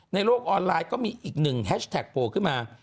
ในโลกออนไลน์ก็มีอีกหนึ่งแฮชแท็กโผล่ขึ้นมา